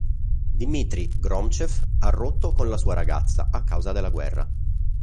Dmitrij Gromcev ha rotto con la sua ragazza a causa della guerra.